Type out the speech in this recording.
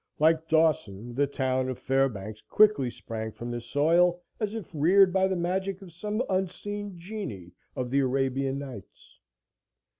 Like Dawson, the town of Fairbanks quickly sprang from the soil as if reared by the magic of some unseen genii of the Arabian Nights.